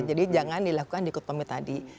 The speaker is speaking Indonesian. jadi jangan dilakukan di kutomi tadi